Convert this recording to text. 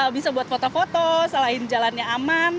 bisa buat foto foto selain jalannya aman